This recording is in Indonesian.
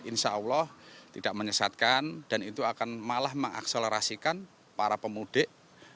insya allah tidak menyesatkan dan itu akan malah mengakselerasikan para pemudik